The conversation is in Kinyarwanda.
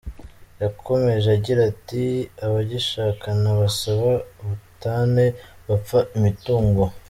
Yakomeje agira ati “Abagishakana basaba ubutane bapfa imitungo.